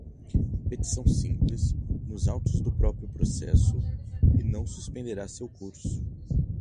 petição simples, nos autos do próprio processo, e não suspenderá seu curso.